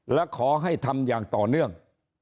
และขอให้ทำอย่างต่อเนื่อง